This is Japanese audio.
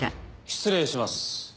失礼します。